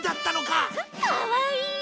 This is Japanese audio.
かわいい！